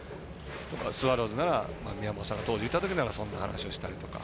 スワローズなら宮本さんが当時いたときならそんな話をしたりとか。